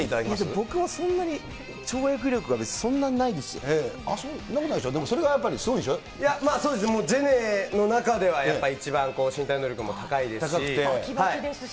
僕もそんなに跳躍力は、そんなことないでしょ、いや、まあ、そうですね、ジェネの中ではやっぱり一番身体能力も高いですし。